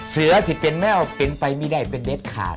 เสือคือเป็นไม่เอาเป็นไปมีได้เป็นเดชคา